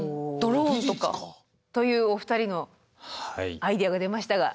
技術か。というお二人のアイデアが出ましたが。